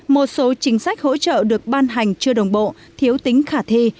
một số chính sách hỗ trợ được ban hành chưa đồng bộ thiếu tính khả thi